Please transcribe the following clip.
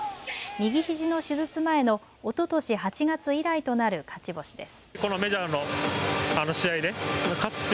右ひじの手術前のおととし８月以来となる勝ち星です。